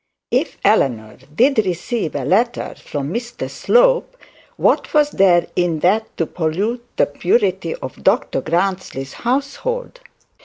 If Eleanor did receive a letter from Mr Slope, what was there in that to pollute the purity of Dr Grantly's household.